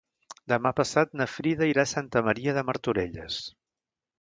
Demà passat na Frida irà a Santa Maria de Martorelles.